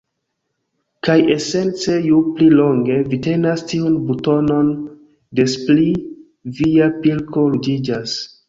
Kaj esence ju pli longe vi tenas tiun butonon, des pli via pilko ruĝiĝas.